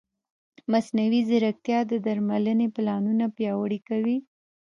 مصنوعي ځیرکتیا د درملنې پلانونه پیاوړي کوي.